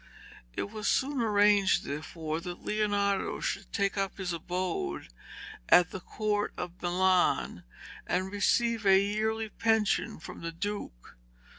It was soon arranged therefore that Leonardo should take up his abode at the court of Milan and receive a yearly pension from the Duke.